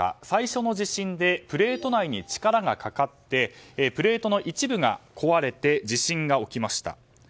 最初の地震でプレート内に力がかかってプレートの一部が壊れて地震が起きました。